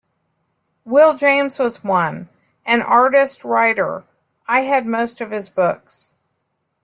Will James was one, an artist-writer-I had most of his books.